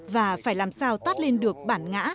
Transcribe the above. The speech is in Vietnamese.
và phải làm sao toát lên được bản ngã